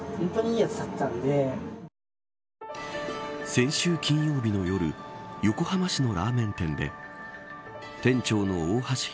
先週金曜日の夜横浜市のラーメン店で店長の大橋弘